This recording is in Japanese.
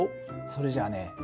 それじゃあね